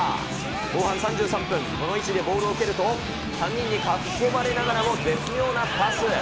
後半３３分、この位置でボールを受けると、３人に囲まれながらも、絶妙なパス。